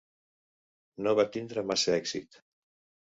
No va tindre massa èxit.